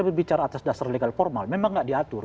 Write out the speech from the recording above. berbicara atas dasar legal formal memang nggak diatur